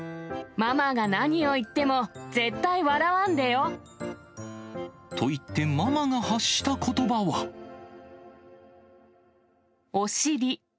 ママが何を言っても、絶対笑と言って、ママが発したことおしり。